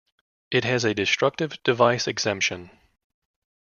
It has a destructive device exemption.